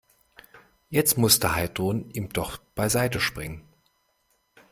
Jetzt musste Heidrun ihm doch beiseite springen.